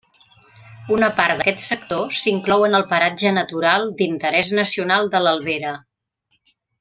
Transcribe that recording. Una part d'aquest sector s'inclou en el Paratge Natural d'Interès Nacional de l'Albera.